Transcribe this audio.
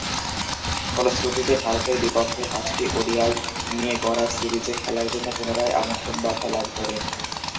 ফলশ্রুতিতে, ভারতের বিপক্ষে পাঁচটি ওডিআই নিয়ে গড়া সিরিজে খেলার জন্যে পুনরায় আমন্ত্রণ বার্তা লাভ করেন।